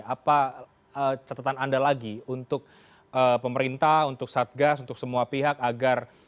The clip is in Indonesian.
apa catatan anda lagi untuk pemerintah untuk satgas untuk semua pihak agar